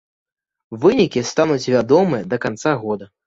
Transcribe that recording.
Вынікі стануць вядомыя да канца года.